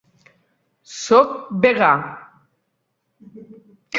Soc vegà.